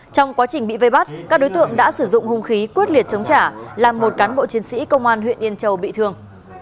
các đối tượng đã sử dụng hung khí quyết liệt chống trả làm một cán bộ chiến sĩ công an huyện yên châu bị thương